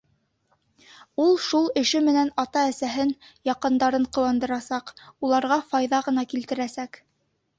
Ул шул эше менән ата-әсәһен, яҡындарын ҡыуандырасаҡ, уларға файҙа ғына килтерәсәк.